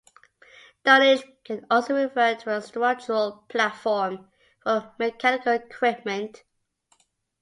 Dunnage can also refer to a structural platform for mechanical equipment.